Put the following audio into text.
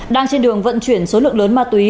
đang trên đường vận chuyển số lượng lớn ma túy